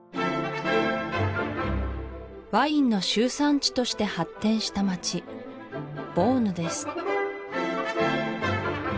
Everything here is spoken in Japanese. ワインの集散地として発展した街ボーヌです